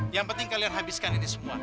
yang penting kalian habiskan ini semua